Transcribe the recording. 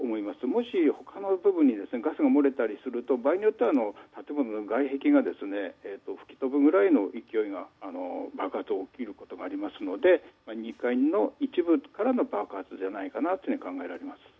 もし、他の部分にガスが漏れたりすると場合によっては建物の外壁が吹き飛ぶくらいの勢いの爆発が起きることがありますので２階の一部からの爆発じゃないかなと考えられます。